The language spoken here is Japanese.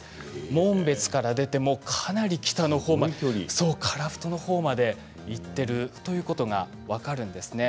紋別から出てかなり北のほうまで樺太のほうまで行っているということが分かるんですね。